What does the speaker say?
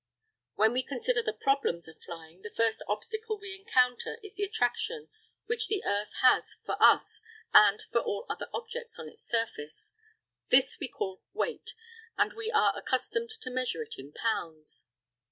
When we consider the problem of flying, the first obstacle we encounter is the attraction which the earth has for us and for all other objects on its surface. This we call weight, and we are accustomed to measure it in pounds.